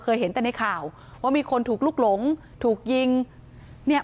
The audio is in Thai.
เห็นแต่ในข่าวว่ามีคนถูกลุกหลงถูกยิงเนี่ย